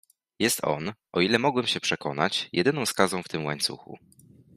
"Jest on, o ile mogłem się przekonać, jedyną skazą w tym łańcuchu."